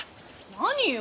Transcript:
何よ？